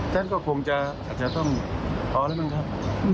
ท่านก็คงอาจจะต้องพอแล้วมั้งครับ